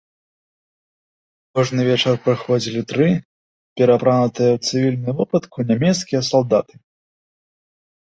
Кожны вечар прыходзілі тры пераапранутыя ў цывільную вопратку нямецкія салдаты.